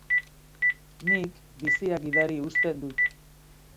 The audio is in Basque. Nik, bizia gidari uzten dut.